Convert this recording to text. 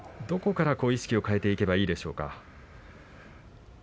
どこから意識を変えていけばいいですか？